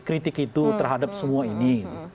kritik itu terhadap semua ini